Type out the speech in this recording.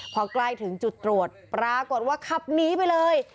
พอใกล้ถึงจุดตรวจปรากฏว่าขับหนีไปเลย